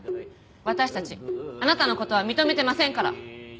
私たちあなたの事は認めてませんから。